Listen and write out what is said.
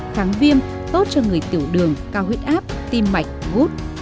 kháng viêm tốt cho người tiểu đường cao huyết áp tim mạch gút